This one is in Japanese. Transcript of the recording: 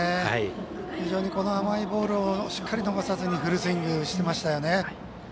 非常に甘いボールをしっかり逃さずにフルスイングしてましたよね。